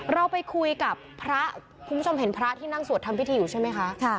เราไปคุยกับพระคุณผู้ชมเห็นพระที่นั่งสวดทำพิธีอยู่ใช่ไหมคะ